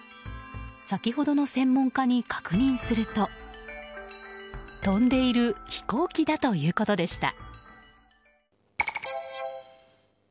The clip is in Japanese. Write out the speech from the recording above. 先ほどの専門家に確認すると飛んでいる飛行機だということでした。